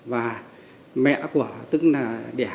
và mẹ của tức là đẻ